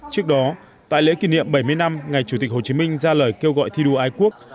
trước đó tại lễ kỷ niệm bảy mươi năm ngày chủ tịch hồ chí minh ra lời kêu gọi thi đua ái quốc